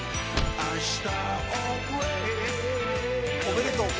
おめでとう。